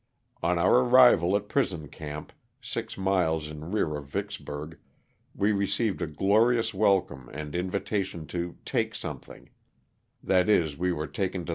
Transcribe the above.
On our arrival at prison camp, six miles in rear of Vicksburg, we received a glorious welcome and invita tion to "take something;" that is, we were taken to LOSS OF THE SULTA]S^A.